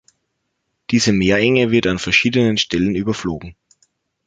Diese Meerenge wird an verschiedenen Stellen überflogen.